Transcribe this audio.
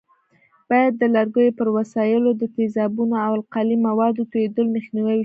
باید د لرګیو پر وسایلو د تیزابونو او القلي موادو توېدلو مخنیوی وشي.